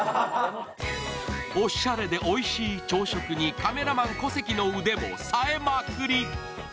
おしゃれでおいしい朝食にカメラマン・小関の腕もさえまくり。